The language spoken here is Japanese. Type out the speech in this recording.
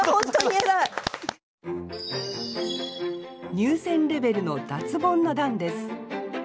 入選レベルの脱ボンの段です